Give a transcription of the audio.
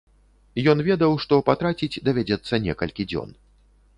Ён ведаў, што патраціць давядзецца некалькі дзён.